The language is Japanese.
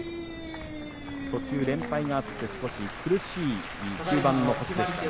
途中、連敗があって少し苦しい終盤の星でした。